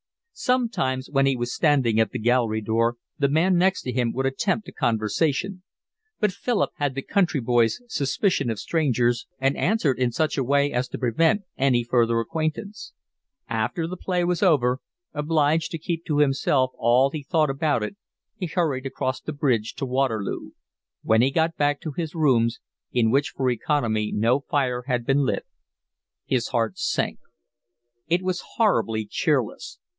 Sometimes when he was standing at the gallery door the man next to him would attempt a conversation; but Philip had the country boy's suspicion of strangers and answered in such a way as to prevent any further acquaintance. After the play was over, obliged to keep to himself all he thought about it, he hurried across the bridge to Waterloo. When he got back to his rooms, in which for economy no fire had been lit, his heart sank. It was horribly cheerless.